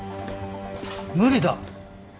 無理だ。